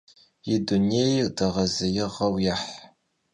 Yi dunêyr değezêiğueu yêh.